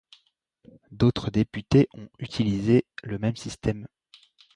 D'autres députés ont utilisé le même système.